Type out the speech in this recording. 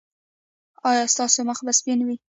ایا ستاسو مخ به سپین وي؟